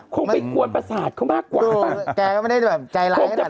คงเป็นกวนประสาทเขามากกว่าแกก็ไม่ได้แบบใจร้ายขนาดนั้น